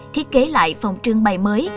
thiết kế lại phòng trưng bày mới